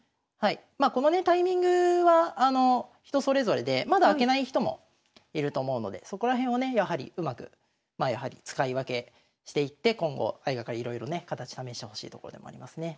このねタイミングは人それぞれでまだ開けない人もいると思うのでそこら辺をねやはりうまくまあやはり使い分けしていって今後相掛かりいろいろね形試してほしいところでもありますね。